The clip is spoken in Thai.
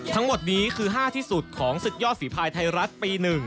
ทั้งหมดนี้คือ๕ที่สุดของศึกยอดฝีภายไทยรัฐปี๑